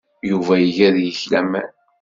Yuba iga deg-k laman.